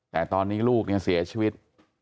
แต่ตอนนี้ลูกเนี่ยเสียชีวิต